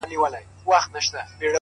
نن مي بيا يادېږي ورځ تېرېږي ـ